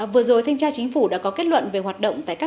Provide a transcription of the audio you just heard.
vừa rồi thanh tra chính phủ đã có kết luận về hoạt động